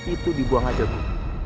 itu dibuang aja bu